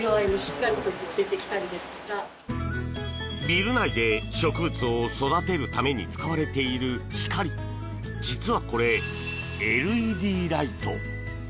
ビル内で植物を育てるために使われている光実はこれ、ＬＥＤライト。